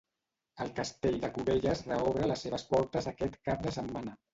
El Castell de Cubelles reobre les seves portes aquest cap de setmana.